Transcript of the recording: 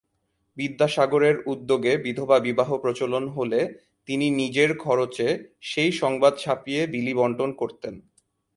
বিদ্যাসাগরের উদ্যোগে বিধবা বিবাহ প্রচলন হলে তিনি নিজের খরচে সেই সংবাদ ছাপিয়ে বিলি বণ্টন করতেন।